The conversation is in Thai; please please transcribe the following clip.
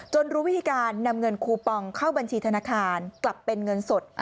รู้วิธีการนำเงินคูปองเข้าบัญชีธนาคารกลับเป็นเงินสด